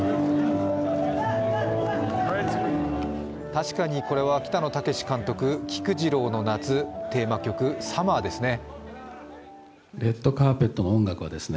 確かにこれは北野武監督「菊次郎の夏」、テーマ曲「Ｓｕｍｍｅｒ」ですね。